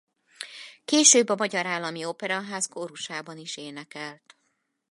Később a Magyar Állami Operaház kórusában is énekelt.